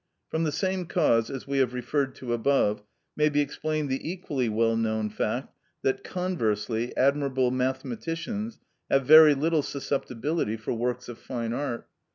From the same cause as we have referred to above, may be explained the equally well known fact that, conversely, admirable mathematicians have very little susceptibility for works of fine art.